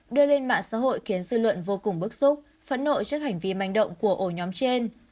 đưa lên mạng xã hội khiến dư luận vô cùng bức xúc phẫn nộ trước hành vi manh động của ổ nhóm trên